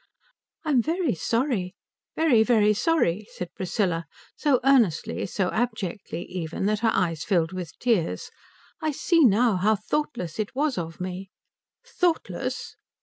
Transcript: "I'm very sorry very, very sorry," said Priscilla, so earnestly, so abjectly even, that her eyes filled with tears. "I see now how thoughtless it was of me." "Thoughtless!"